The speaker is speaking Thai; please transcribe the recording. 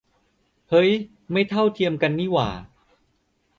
เฮ่ย ไม่เท่าเทียมกันนี่หว่า